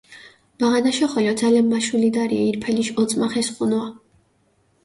ბაღანაშო ხოლო ძალამ მაშულიდარიე ირფელიშ ოწმახ ესხუნუა.